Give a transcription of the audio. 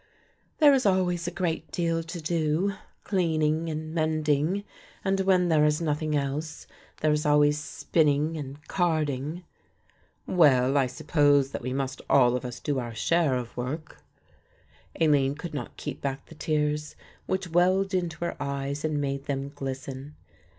"There is always a great deal to do, cleaning and mending and, when there is nothing else, there is always spinning and carding." "Well, I suppose that we must all of us do our share of work." Aline could not keep back the tears, which welled into her eyes and made them glisten.